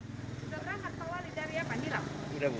sudah berangkat soal lidah ria pandiran